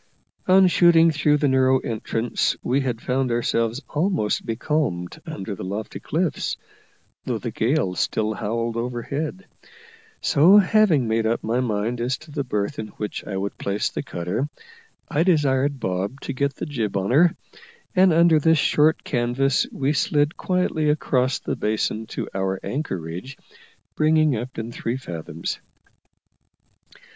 On shooting through the narrow entrance we had found ourselves almost becalmed under the lofty cliffs, though the gale still howled overhead: so, having made up my mind as to the berth in which I would place the cutter, I desired Bob to get the jib on her, and under this short canvas we slid quietly across the basin to our anchorage, bringing up in three fathoms.